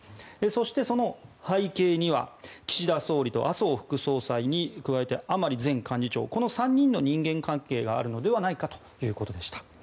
そして、その背景には岸田総理と麻生副総裁に加えて甘利前幹事長この３人の人間関係があるのではないかということでした。